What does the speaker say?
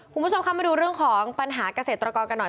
คุณผู้ชมคะมาดูเรื่องของปัญหาเกษตรกรกันหน่อย